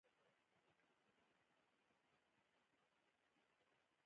لیوه له وري څخه د خوړلو لپاره پلمه لټوله.